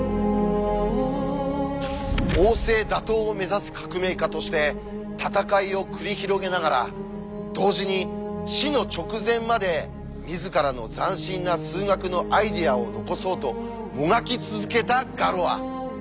王政打倒を目指す革命家として戦いを繰り広げながら同時に死の直前まで自らの斬新な数学のアイデアを残そうともがき続けたガロア。